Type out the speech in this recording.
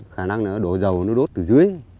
khả năng nó đổ dầu nó đốt từ dưới